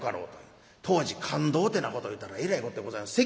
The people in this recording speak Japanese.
当時勘当ってなこというたらえらいこってございます。